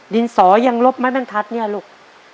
ดินสอยังลบไม้บรรทัศน์เนี่ยลูก